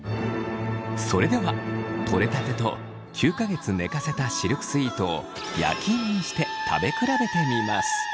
それではとれたてと９か月寝かせたシルクスイートを焼き芋にして食べ比べてみます。